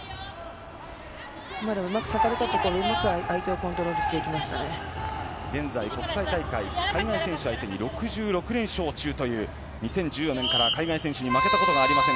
今、うまく差されたところをうまく相手を現在、海外選手相手に６６連勝中という２０１４年から海外選手に負けたことがありません